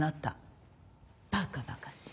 バカバカしい。